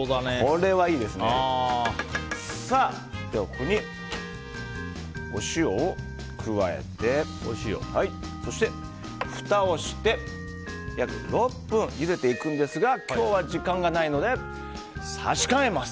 では、ここにお塩を加えてそして、ふたをして約６分ゆでていくんですが今日は時間がないので差し替えます。